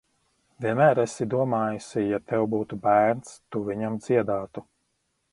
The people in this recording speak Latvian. Vienmēr esi domājusi, ja tev būtu bērns, tu viņam dziedātu.